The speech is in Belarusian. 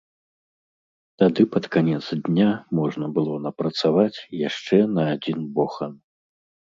Тады пад канец дня можна было напрацаваць яшчэ на адзін бохан.